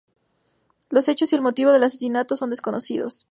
Los hechos y el motivo del asesinato son desconocidos.